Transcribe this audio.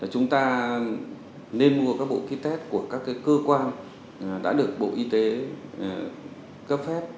chúng ta nên mua các bộ kit test của các cơ quan đã được bộ y tế cấp phép